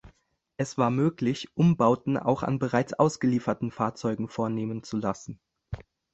Es war möglich, Umbauten auch an bereits ausgelieferten Fahrzeugen vornehmen zu lassen.